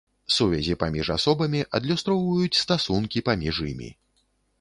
Сувязі паміж асобамі адлюстроўваюць стасункі паміж імі.